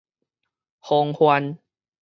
風範